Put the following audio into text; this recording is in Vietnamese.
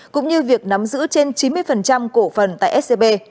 cũng như việc nắm giữ trên chín mươi cổ phần tại scb